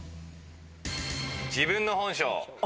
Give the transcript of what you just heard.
「自分の本性」。